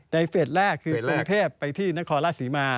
เฟสแรกคือกรุงเทพไปที่นครราชศรีมา